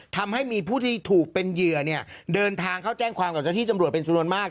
ทำให้มีผู้ที่ถูกเป็นเหยื่อเนี่ยเดินทางเข้าแจ้งความกับเจ้าที่จำรวจเป็นจำนวนมาก